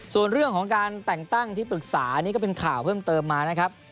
ส่วนเรื่องของการแต่งตั้งที่ปรึกษานี่ก็เป็นข่าวเพิ่มเติมมานะครับ